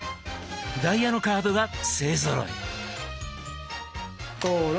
ダイヤのカードが勢ぞろい！